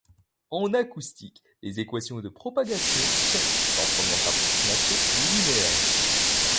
En acoustique, les équations de propagation sont, en première approximation, linéaires.